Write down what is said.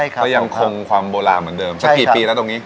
ก็ยังคงความโบราณเหมือนเดิมสักกี่ปีแล้วตรงนี้